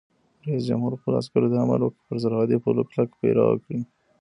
رئیس جمهور خپلو عسکرو ته امر وکړ؛ پر سرحدي پولو کلک پیره وکړئ!